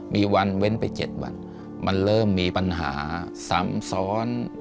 มีวันเว้นไป๗วันมันเริ่มมีปัญหาซ้ำซ้อน